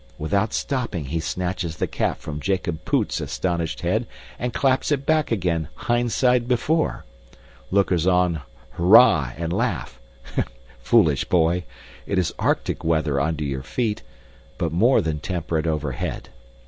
Without stopping he snatches the cap from Jacob Poot's astonished head and claps it back again "hindside before." Lookers on hurrah and laugh. Foolish boy! It is arctic weather under your feet, but more than temperate over head.